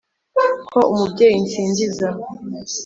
Ko Umubyeyi nsingiza